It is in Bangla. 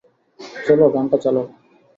চলো, গানটা চালাও!